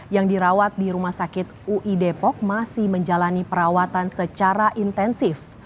yang dirawat di rumah sakit ui depok masih menjalani perawatan secara intensif